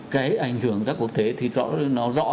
cái ảnh hưởng ra quốc tế thì nó rõ ràng là